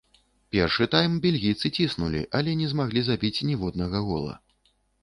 Першы тайм бельгійцы ціснулі, але не змаглі забіць ніводнага гола.